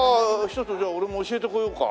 一つじゃあ俺も教えてこようか。